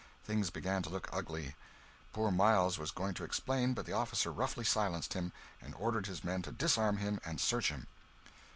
Things began to look ugly. Poor Miles was going to explain, but the officer roughly silenced him, and ordered his men to disarm him and search him.